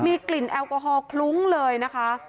มีกลิ่นแอลกอฮอลคลุ้งเลยนะคะ